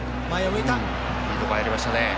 いいとこ入りましたね。